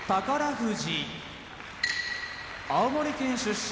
富士青森県出身